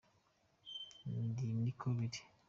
Nti niko biri